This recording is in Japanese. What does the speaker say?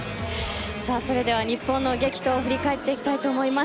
それでは日本の激闘を振り返っていきたいと思います。